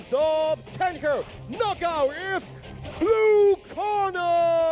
กลุ่มตัวเป็นบลูกคอร์น่า